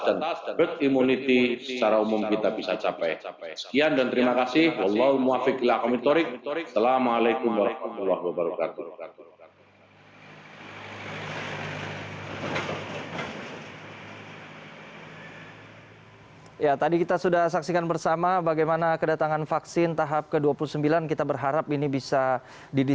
dan herd immunity secara umum kita bisa capai